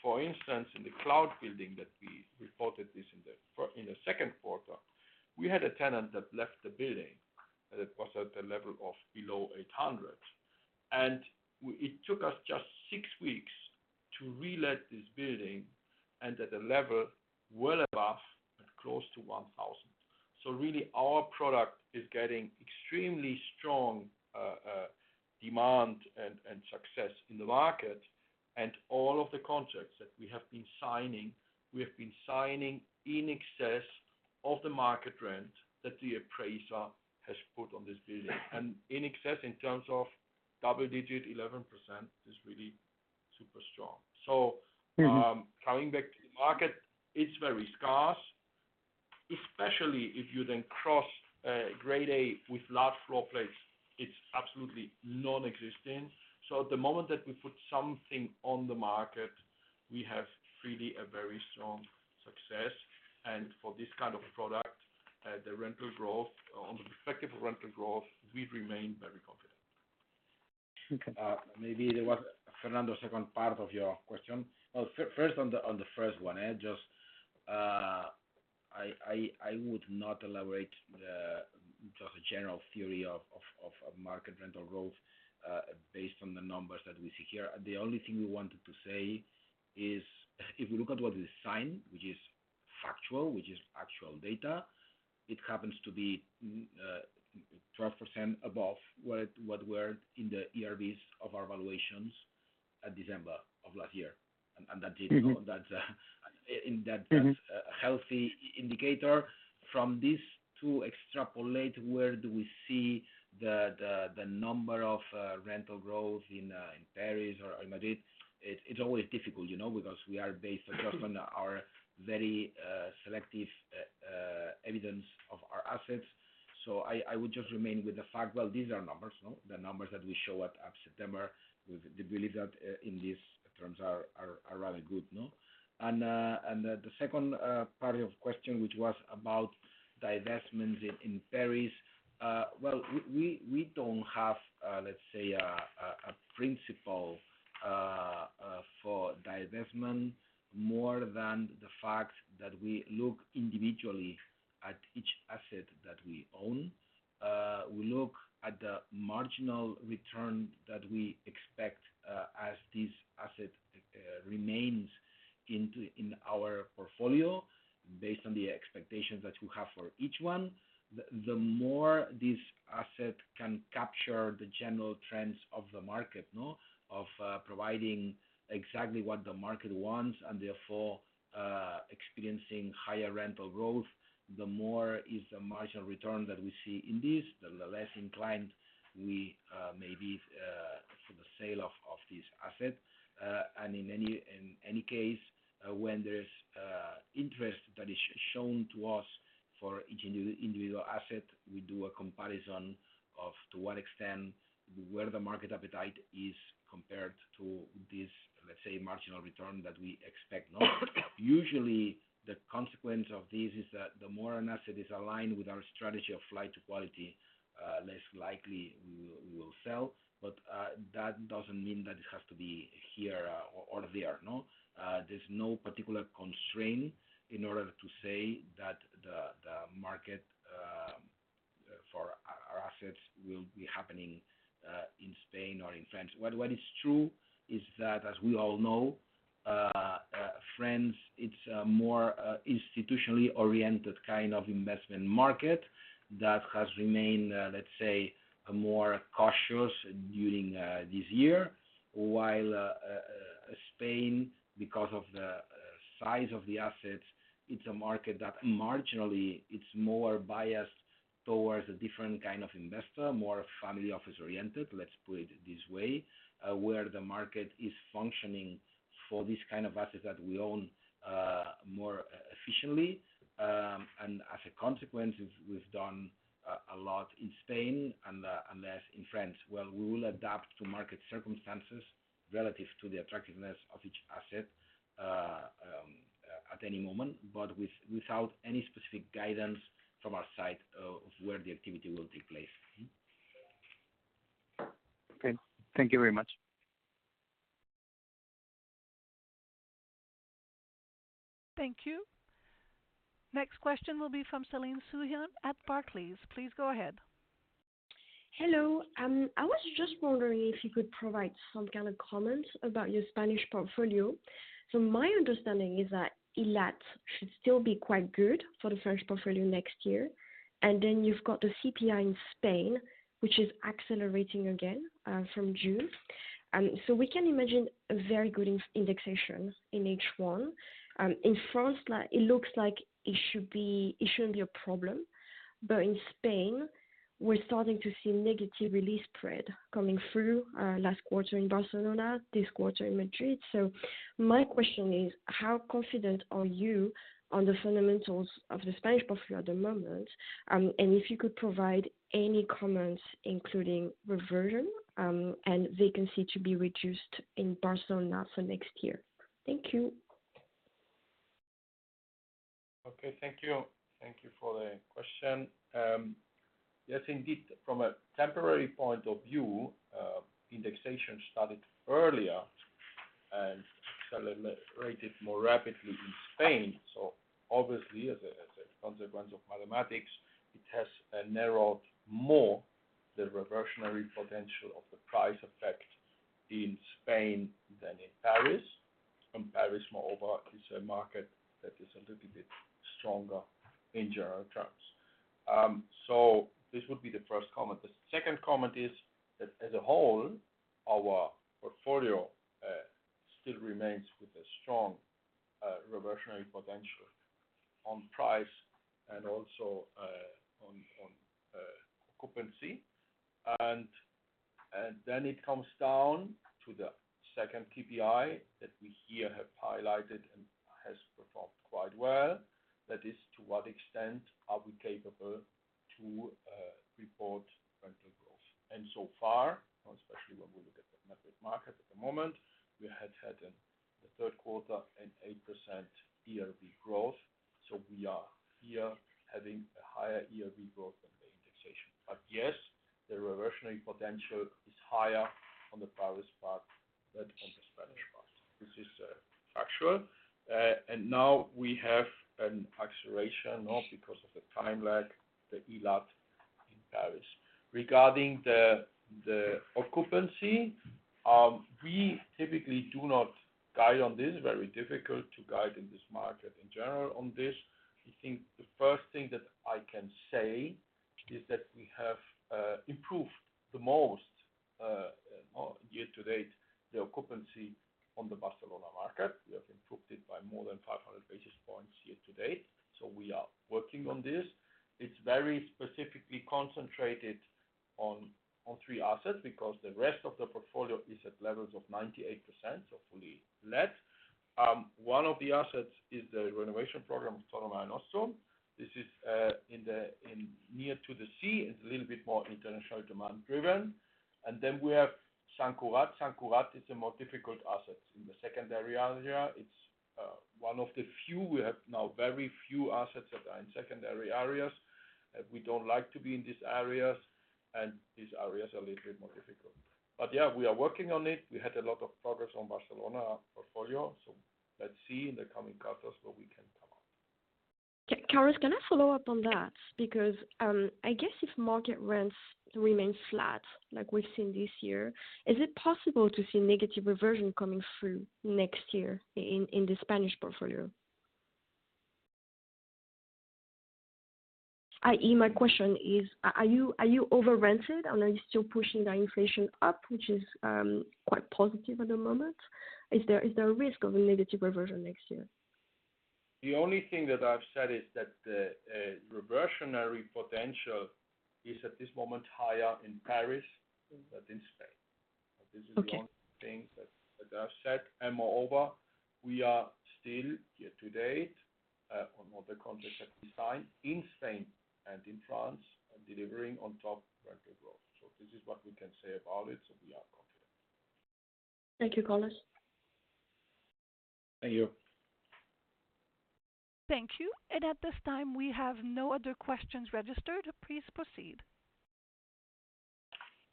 for instance, in the cloud building, that we reported this in the second quarter, we had a tenant that left the building that was at a level of below 800, and it took us just six weeks to relet this building and at a level well above, at close to 1,000. So really, our product is getting extremely strong demand and success in the market. And all of the contracts that we have been signing, we have been signing in excess of the market rent that the appraiser has put on this building. And in excess, in terms of double digit, 11% is really super strong. So coming back to the market, it's very scarce, especially if you then cross, Grade A with large floor plates, it's absolutely nonexistent. So at the moment that we put something on the market, we have really a very strong success. And for this kind of product, the rental growth, on the respective rental growth, we remain very confident. Okay. Maybe there was, Fernando, second part of your question. Well, first, on the, on the first one, I would not elaborate the, just the general theory of market rental growth, based on the numbers that we see here. The only thing we wanted to say is if we look at what we sign, which is factual, which is actual data, it happens to be, 12% above what we're in the ERVs of our valuations at December of last year. And that in that healthy indicator. From this to extrapolate, where do we see the number of rental growth in Paris or in Madrid? It's always difficult, you know, because we are based just on our very selective evidence of our assets. So I would just remain with the fact, well, these are numbers, no? The numbers that we show at September, we believe that in these terms are rather good, no? And the second part of question, which was about divestments in Paris. Well, we don't have, let's say, a principle for divestment more than the fact that we look individually at each asset that we own. We look at the marginal return that we expect as this asset remains into in our portfolio, based on the expectations that we have for each one. The more this asset can capture the general trends of the market, no? Of providing exactly what the market wants and therefore experiencing higher rental growth, the more is the marginal return that we see in this, the less inclined we may be for the sale of this asset. In any case, when there's interest that is shown to us for each individual asset, we do a comparison of to what extent, where the market appetite is compared to this, let's say, marginal return that we expect, no? Usually, the consequence of this is that the more an asset is aligned with our strategy of flight to quality, less likely we will sell. That doesn't mean that it has to be here or there, no? There's no particular constraint in order to say that the market for our assets will be happening in Spain or in France. What is true is that, as we all know, France, it's a more institutionally oriented kind of investment market that has remained, let's say, more cautious during this year. While Spain, because of the size of the assets, it's a market that marginally, it's more biased towards a different kind of investor, more family office oriented, let's put it this way, where the market is functioning for this kind of assets that we own, more efficiently. And as a consequence, we've done a lot in Spain and less in France. Well, we will adapt to market circumstances relative to the attractiveness of each asset at any moment, but without any specific guidance from our side of where the activity will take place. Okay. Thank you very much. Thank you. Next question will be from Celine Soo-Huynh at Barclays. Please go ahead. Hello. I was just wondering if you could provide some kind of comments about your Spanish portfolio. So my understanding is that ILAT should still be quite good for the French portfolio next year, and then you've got the CPI in Spain, which is accelerating again from June. So we can imagine a very good indexation in H1. In France, like, it looks like it should be, it shouldn't be a problem. But in Spain, we're starting to see negative release spread coming through last quarter in Barcelona, this quarter in Madrid. So my question is, how confident are you on the fundamentals of the Spanish portfolio at the moment? And if you could provide any comments, including reversion, and vacancy to be reduced in Barcelona for next year. Thank you. Okay, thank you. Thank you for the question. Yes, indeed, from a temporary point of view, indexation started earlier and accelerated more rapidly in Spain. So obviously, as a consequence of mathematics, it has narrowed more the reversionary potential of the price effect in Spain than in Paris. And Paris, moreover, is a market that is a little bit stronger in general terms. So this would be the first comment. The second comment is that as a whole, our portfolio still remains with a strong reversionary potential on price and also on occupancy. And then it comes down to the second KPI that we here have highlighted and has performed quite well. That is, to what extent are we capable to report rental growth? So far, especially when we look at the Madrid market at the moment, we had had in the third quarter an 8% ERV growth, so we are here having a higher ERV growth than the indexation. But yes, the reversionary potential is higher on the Paris part than on the Spanish part. This is factual. And now we have an acceleration, no? Because of the time lag, the ILAT in Paris. Regarding the occupancy, we typically do not guide on this. Very difficult to guide in this market in general on this. I think the first thing that I can say is that we have improved the most year to date, the occupancy on the Barcelona market. We have improved it by more than 500 basis points year to date, so we are working on this. It's very specifically concentrated on, on three assets because the rest of the portfolio is at levels of 98%, so fully let. One of the assets is the renovation program of Torre Marenostrum. This is in the, in near to the sea. It's a little bit more international demand driven. And then we have Sant Cugat. Sant Cugat is a more difficult asset. In the secondary area, it's one of the few. We have now very few assets that are in secondary areas, and we don't like to be in these areas, and these areas are a little bit more difficult. But yeah, we are working on it. We had a lot of progress on Barcelona portfolio, so let's see in the coming quarters what we can come up. Okay. Carlos, can I follow up on that? Because, I guess if market rents remain flat, like we've seen this year, is it possible to see negative reversion coming through next year in the Spanish portfolio? I.e., my question is, are you over-rented and are you still pushing the inflation up, which is quite positive at the moment? Is there a risk of a negative reversion next year? The only thing that I've said is that the reversionary potential is, at this moment, higher in Paris than in Spain. Okay. This is the only thing that I've said. Moreover, we are still, year to date, on other contracts that we signed in Spain and in France, and delivering on top rental growth. So this is what we can say about it. So we are confident. Thank you, Carlos. Thank you. Thank you. At this time, we have no other questions registered. Please proceed.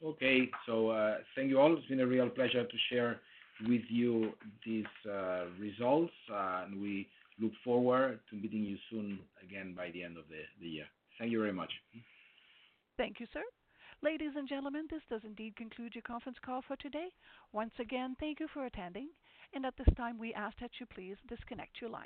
Okay. So, thank you all. It's been a real pleasure to share with you these results, and we look forward to meeting you soon again by the end of the year. Thank you very much. Thank you, sir. Ladies and gentlemen, this does indeed conclude your conference call for today. Once again, thank you for attending, and at this time, we ask that you please disconnect your line.